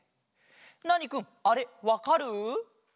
ナーニくんあれわかる？